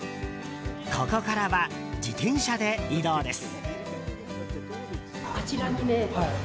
ここからは自転車で移動です。